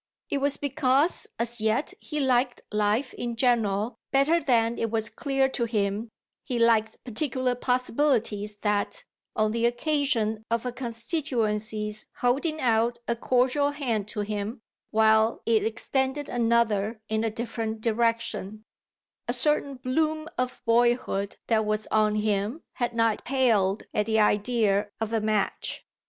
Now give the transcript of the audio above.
It was because, as yet, he liked life in general better than it was clear to him he liked particular possibilities that, on the occasion of a constituency's holding out a cordial hand to him while it extended another in a different direction, a certain bloom of boyhood that was on him had not paled at the idea of a match.